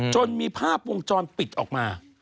จนมีภาพวงจรปิดออกมา